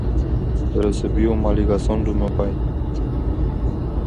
Recebi uma ligação do meu pai